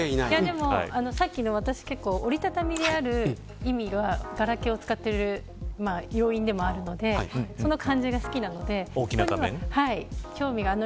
でも、折り畳みである意味がガラケーを使っている要因でもあるのでその感じが好きなので興味があります。